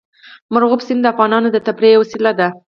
مورغاب سیند د افغانانو د تفریح یوه وسیله ده.